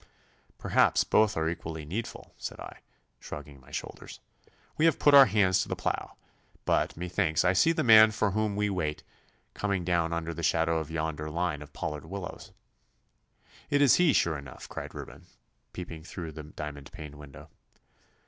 'Perhaps both are equally needful,' said I, shrugging my shoulders. 'We have put our hands to the plough. But methinks I see the man for whom we wait coming down under the shadow of yonder line of pollard willows.' 'It is he, sure enough,' cried Reuben, peeping through the diamond paned window.